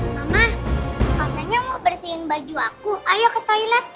mama katanya mau bersihin baju aku ayo ke toilet